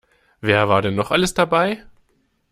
Wer war denn noch alles dabei?